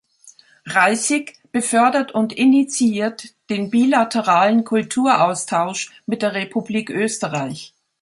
Reissig befördert und initiiert den bilateralen Kulturaustausch mit der Republik Österreich.